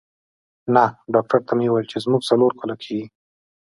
نه، ډاکټر ته مې وویل چې زموږ څلور کاله کېږي.